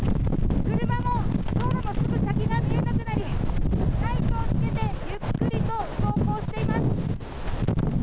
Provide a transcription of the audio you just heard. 車も道路のすぐ先が見えなくなり、ライトをつけてゆっくりと走行しています。